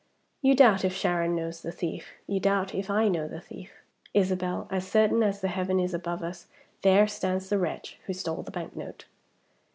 "You doubt if Sharon knows the thief. You doubt if I know the thief. Isabel! as certainly as the heaven is above us, there stands the wretch who stole the bank note!"